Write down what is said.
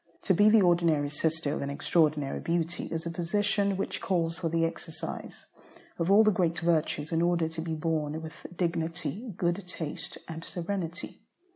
To be the ordinary sister of an extraordinary beauty, is a position which calls for the exercise of all the great virtues in order to be borne with dignity, good taste, and serenity.